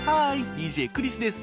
ＤＪクリスです。